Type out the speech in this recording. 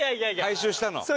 回収したの？